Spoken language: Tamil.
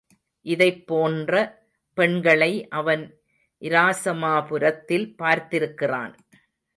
இதைப் போன்ற பெண்களை அவன் இராசமா புரத்தில் பார்த்திருக்கிறான்.